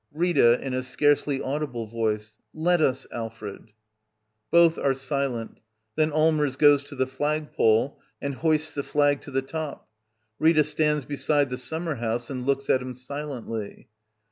Rita. [In a scarcely audible voice.] Let us, Alfred. [Both are silent. Then Allmers goes to the flag pole and hoists the flag to the top. Rita stands beside the summer house and looks at him silently.